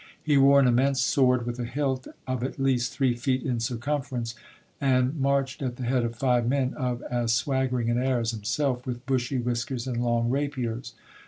He wore an immense sword with a hilt of at least three feet in circumference, and marched at the head of five men of as swaggering an air as himself, with bushy whiskers and long rapiers.